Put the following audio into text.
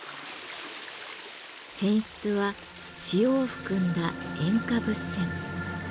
泉質は塩を含んだ塩化物泉。